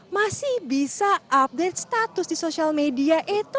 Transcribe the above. masih bisa update status di social media